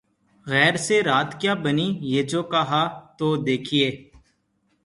’’ غیر سے رات کیا بنی ‘‘ یہ جو کہا‘ تو دیکھیے